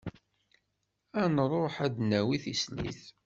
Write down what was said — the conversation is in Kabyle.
Ad nruḥ ad d-nawi tislit.